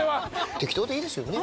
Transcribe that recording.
適当でいいですよね？